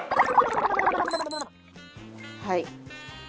はい。